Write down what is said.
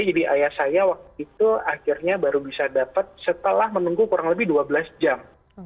ayah saya waktu itu akhirnya baru bisa dapat setelah menunggu kurang lebih dua belas jam